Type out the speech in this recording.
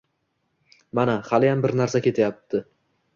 Mana, haliyam bir narsalar deyapti